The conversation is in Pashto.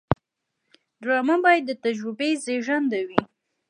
ډرامه باید د تجربې زیږنده وي